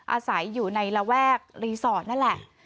อาศัยอยู่ในระแวกรีสอร์ทนั่นแหละ